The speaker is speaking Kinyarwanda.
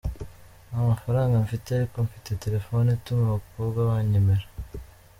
Nta mafaranga mfite, ariko mfite telefone ituma abakobwa banyemera.